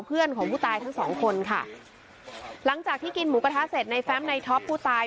เพื่อนของผู้ตายทั้งสองคนค่ะหลังจากที่กินหมูกระทะเสร็จในแฟมในท็อปผู้ตาย